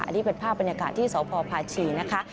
อันนี้เป็นภาพบรรยากาศที่สพพาชีนะคะ